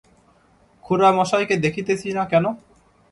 খুড়ামশায়কে দেখিতেছি না কেন?